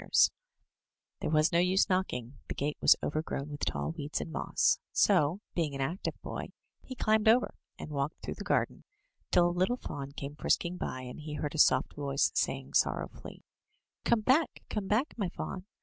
20 I THROUGH FAIRY HALLS There was no use knocking — ^the gate was overgrown with tall weeds and moss; so, being an active boy, he climbed over, and walked through the garden, till a little fawn came frisk ing by, and he heard a soft voice saying sorrowfully: ''Come back, come back, my fawn!